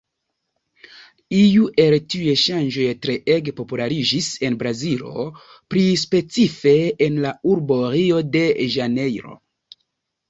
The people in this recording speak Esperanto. Iu el tiuj ŝanĝoj treege populariĝis en Brazilo, pli specife, en la urbo Rio-de-Ĵanejro.